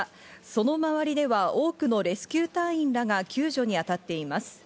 その周りでは多くのレスキュー隊員らが救助に当たっています。